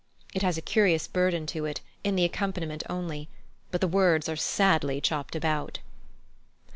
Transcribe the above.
It has a curious burden to it, in the accompaniment only; but the words are sadly chopped about.